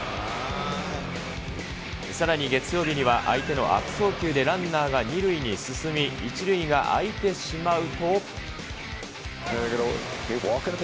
さらに月曜日には、相手の悪送球でランナーが２塁に進み、１塁が空いてしまうと。